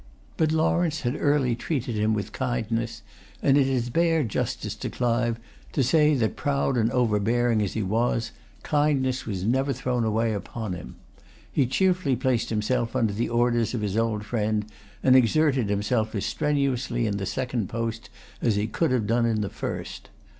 But Lawrence had early treated him with kindness; and it is bare justice to Clive, to say that, proud and overbearing as he was, kindness was never thrown away upon him. He cheerfully placed himself under the orders of his old friend, and exerted himself as strenuously in the second post as he could have done in the first.